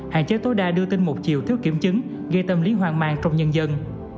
hạn chế tối đa đưa tin một chiều thiếu kiểm chứng gây tâm lý hoang mang trong nhân dân